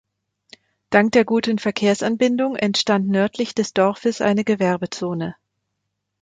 Dank der guten Verkehrsanbindung entstand nördlich des Dorfes eine Gewerbezone.